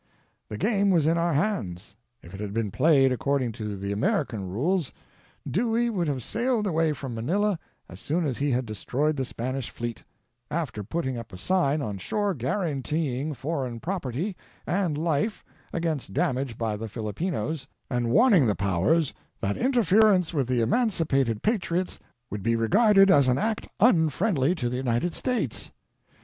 The game was in our hands. If it had been played according to the Ameri can rules, Dewey would have sailed away from Manila as soon as he had destroyed the Spanish fleet — after putting up a sign on shore guaranteeing foreign property and life against damage by the Filipinos, and warning the Powers that interference with the emancipated patriots would be regarded as an act unfriendly to the United States.